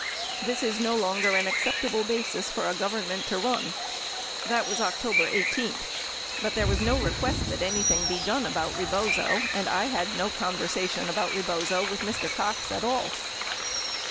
This is no longer an acceptable basis for a Gov ernment to run. That was October 18. But there AA as no request that anything be done about Rebozo and I had no conversation about Rebozo with Mr. Cox at all."